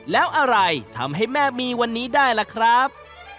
แล้วอะไรทำให้แม่มีวันนี้ได้ล่ะครับ